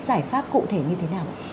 giải pháp cụ thể như thế nào ạ